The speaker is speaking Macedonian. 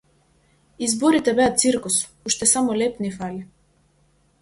Изборите беа циркус, уште само леб ни фали.